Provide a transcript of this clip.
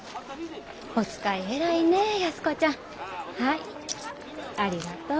お使い偉いねえ安子ちゃん。はいありがとう。